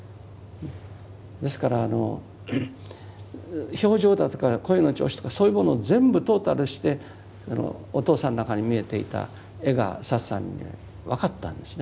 ですから表情だとか声の調子とかそういうものを全部トータルしてお父さんの中に見えていた絵がサツさんに分かったんですね。